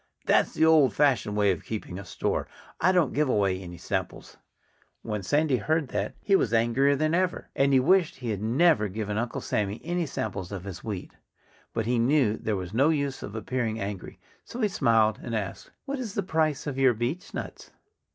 "That's the old fashioned way of keeping a store. I don't give away any samples." When Sandy heard that he was angrier than ever. And he wished he had never given Uncle Sammy any samples of his wheat. But he knew there was no use of appearing angry. So he smiled and asked: "What is the price of your beechnuts?"